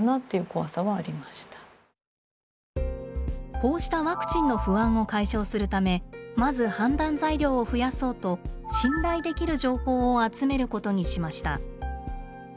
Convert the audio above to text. こうしたワクチンの不安を解消するためまず判断材料を増やそうと信頼できる情報を集めることにしました。